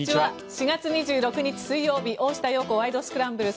４月２６日、水曜日「大下容子ワイド！スクランブル」。